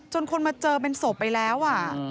คนมาเจอเป็นศพไปแล้ว